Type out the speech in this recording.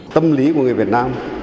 tâm lý của người việt nam